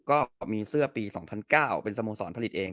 ก็มีเสื้อปี๒๐๐๙เป็นสโมสรผลิตเอง